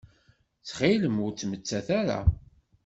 Ttxil-m ur ttmettat ara.